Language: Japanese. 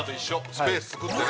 スペース作ってね。